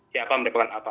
siapa merupakan apa